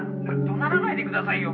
「怒鳴らないでくださいよ。